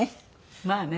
まあね。